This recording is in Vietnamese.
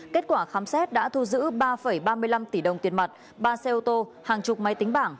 kết quả khám xét đã thu giữ ba ba mươi năm tỷ đồng tiền mặt ba xe ô tô hàng chục máy tính bảng